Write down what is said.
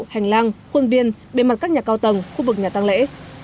hành lang khuôn viên bề mặt các nhà cao tầng khu vực nhà tăng lễ